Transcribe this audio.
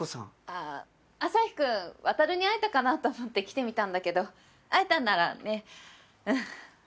ああアサヒくん渉に会えたかなと思って来てみたんだけど会えたんならねっうん。